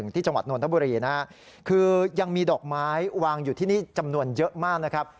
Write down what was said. จังหวัดนทบุรีนะฮะคือยังมีดอกไม้วางอยู่ที่นี่จำนวนเยอะมากนะครับ